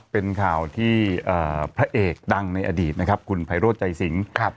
เป็นข่าวที่พระเอกดังในอดีตคุณไพโรธจ่ายสิงค์